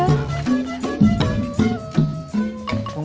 aku mau sebentar